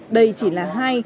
đây chỉ là hai